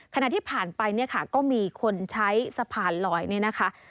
ขณะที่ผ่านไปเนี่ยค่ะก็มีคนใช้สะพานลอยเนี่ยนะคะ